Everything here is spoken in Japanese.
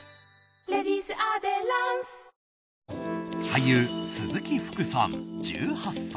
俳優・鈴木福さん、１８歳。